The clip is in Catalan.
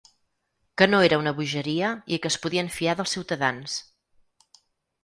Que no era una bogeria i que es podien fiar dels ciutadans.